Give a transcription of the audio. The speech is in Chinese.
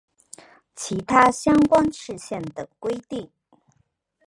其他相关事项等规定